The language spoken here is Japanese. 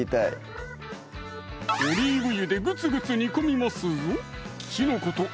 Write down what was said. オリーブ油でグツグツ煮込みますぞ